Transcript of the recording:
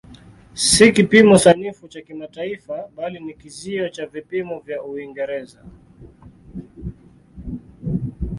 Si kipimo sanifu cha kimataifa bali ni kizio cha vipimo vya Uingereza.